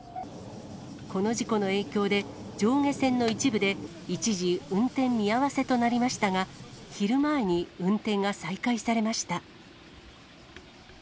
この事故の影響で、上下線の一部で一時運転見合わせとなりましたが、昼前に運転が再開されました。